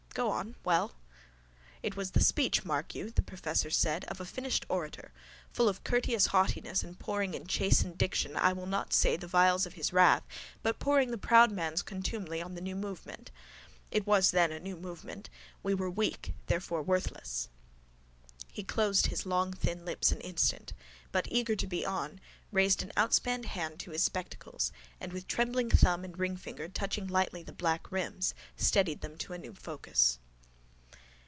Go on. Well? —It was the speech, mark you, the professor said, of a finished orator, full of courteous haughtiness and pouring in chastened diction I will not say the vials of his wrath but pouring the proud man's contumely upon the new movement. It was then a new movement. We were weak, therefore worthless. He closed his long thin lips an instant but, eager to be on, raised an outspanned hand to his spectacles and, with trembling thumb and ringfinger touching lightly the black rims, steadied them to a new focus.